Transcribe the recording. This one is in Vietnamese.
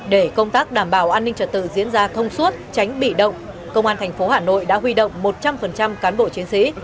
để công tác đảm bảo an ninh trật tự diễn ra thông suốt tránh bị động công an thành phố hà nội đã huy động một trăm linh cán bộ chiến sĩ